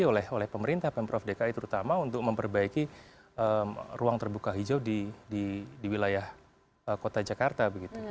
oleh pemerintah pemprov dki terutama untuk memperbaiki ruang terbuka hijau di wilayah kota jakarta